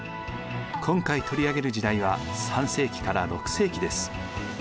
今回取り上げる時代は３世紀から６世紀です。